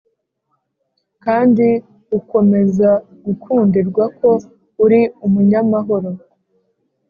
kandi ukomeza gukundirwa ko uri umunyamahoro.